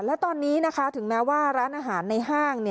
และตอนนี้นะคะถึงแม้ว่าร้านอาหารในห้าง